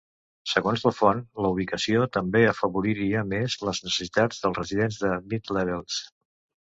Segons la font, la ubicació també afavoriria més les necessitats dels residents de Mid-Levels.